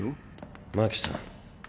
真希さん